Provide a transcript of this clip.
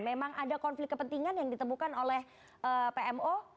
memang ada konflik kepentingan yang ditemukan oleh pmo